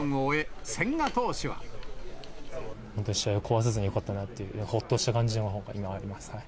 本当に試合を壊さずによかったなという、ほっとした感じのほうが今はあります。